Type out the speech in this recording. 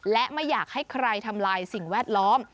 และไม่อยากให้ใครทำลายสิ่งแวดล้อม